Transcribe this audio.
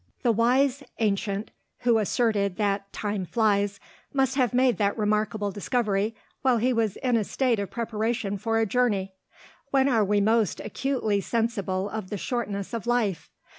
The wise ancient who asserted that "Time flies," must have made that remarkable discovery while he was in a state of preparation for a journey. When are we most acutely sensible of the shortness of life?